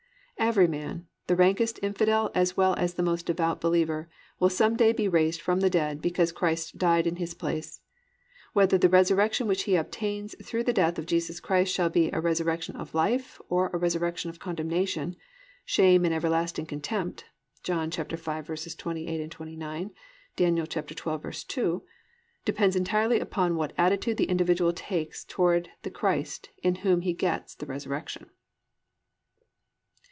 Every man, the rankest infidel as well as the most devout believer, will some day be raised from the dead because Christ died in his place. Whether the resurrection which he obtains through the death of Jesus Christ shall be a "resurrection of life" or a "resurrection of condemnation," "shame and everlasting contempt" (John 5:28, 29; Dan. 12:2) depends entirely upon what attitude the individual takes toward the Christ in whom he gets the resurrection.